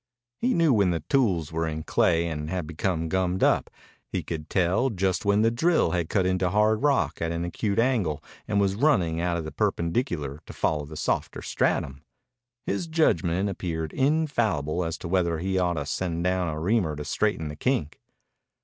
He knew when the tools were in clay and had become gummed up. He could tell just when the drill had cut into hard rock at an acute angle and was running out of the perpendicular to follow the softer stratum. His judgment appeared infallible as to whether he ought to send down a reamer to straighten the kink.